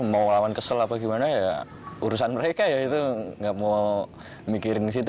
mau lawan kesel apa gimana ya urusan mereka ya itu nggak mau mikirin situ